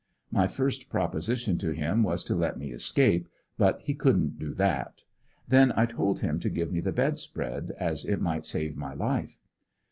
My first proposition to him was to let me escape, but he couldn't do that, then I told him to give me the bed spread, as it might save my life.